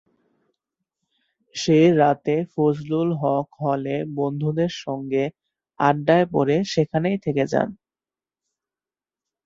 সে রাতে ফজলুল হক হলে বন্ধুদের সঙ্গে আড্ডায় পড়ে সেখানেই থেকে যান।